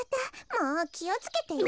もうきをつけてよ。